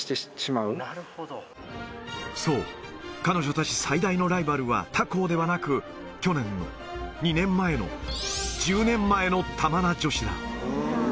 そう、彼女たち最大のライバルは、他校ではなく、去年、２年前の、１０年前の玉名女子だ。